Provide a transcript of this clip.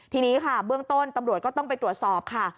ทีนี้ค่ะเบื้องต้นตำรวจก็ต้องไปตรวจสอบค่ะ